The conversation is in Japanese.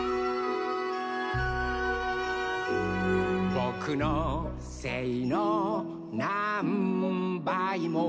「ぼくのせいのなんばいも」